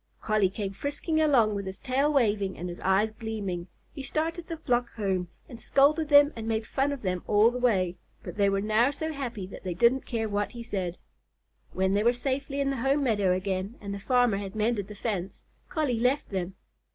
Collie came frisking along with his tail waving and his eyes gleaming. He started the flock home, and scolded them and made fun of them all the way, but they were now so happy that they didn't care what he said. When they were safely in the home meadow again and the farmer had mended the fence, Collie left them.